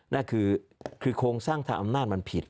นั่นคือโครงสร้างทางอำนาจมันผิด